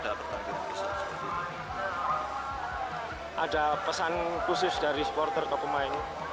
ada pesan khusus dari supporter atau pemain